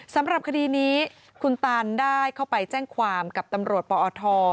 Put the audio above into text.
สำหรับคดีนี้คุณตันได้เข้าไปแจ้งความกับตำรวจปอท